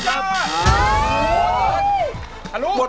เฮ้ยไม่พลาด